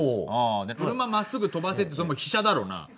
「車まっすぐ飛ばせ」って「飛車」だろうな。